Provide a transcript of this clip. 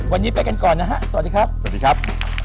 วันนี้ไปกันก่อนนะฮะสวัสดีครับ